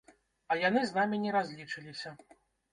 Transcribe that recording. А яны з намі не разлічыліся.